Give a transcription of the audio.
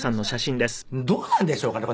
どうなんでしょうかね